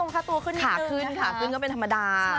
ขาขึ้นขาขึ้นก็เป็นธรรมดา